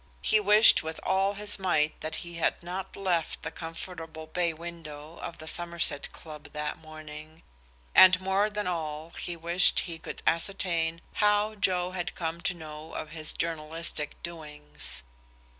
He wished with all his might that he had not left the comfortable bay window of the Somerset Club that morning, and more than all he wished he could ascertain how Joe had come to know of his journalistic doings.